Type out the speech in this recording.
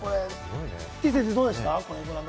てぃ先生、どうでした？